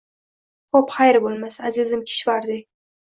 Xoʻp, xayr boʻlmasa, azizim Kishvardi.